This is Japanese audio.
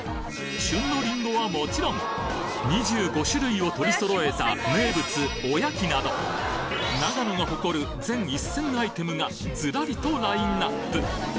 旬のりんごはもちろん２５種類を取り揃えた名物おやきなど長野が誇る全１，０００アイテムがずらりとラインナップ！